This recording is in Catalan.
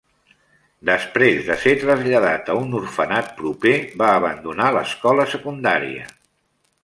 Després de ser traslladat a un orfenat proper, va abandonar l'escola secundària.